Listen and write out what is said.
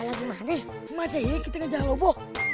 gampang kita suruh lobo